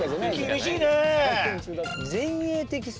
厳しいねぇ。